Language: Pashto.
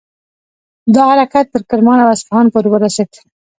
دا حرکت تر کرمان او اصفهان پورې ورسید.